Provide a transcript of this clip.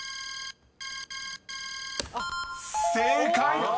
［正解！］